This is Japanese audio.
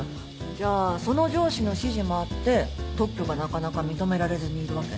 じゃあその上司の指示もあって特許がなかなか認められずにいるわけね？